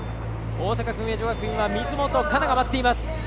大阪薫英女学院は水本佳菜が待っています。